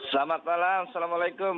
selamat malam assalamualaikum